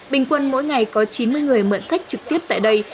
bình quân mỗi ngày có chín mươi người mượn sách trực tiếp tại đây